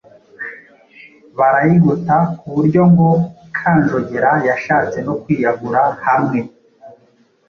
barayigota ku buryo ngo Kanjogera yashatse no kwiyahura hamwe